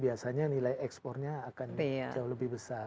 biasanya nilai ekspornya akan jauh lebih besar